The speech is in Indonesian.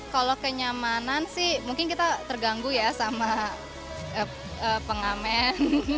kalau kenyamanan sih mungkin kita terganggu ya sama pengamen